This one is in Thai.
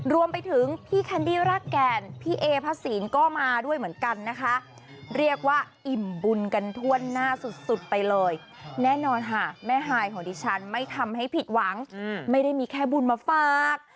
รวมไปถึงพี่แคนดี้รากแก่นพี่เอพระศีลก็มาด้วยเหมือนกันนะคะเรียกว่าอิ่มบุญกันทั่วหน้าสุดไปเลยแน่นอนค่ะแม่ฮายของดิฉันไม่ทำให้ผิดหวังไม่ได้มีแค่บุญมาฝาก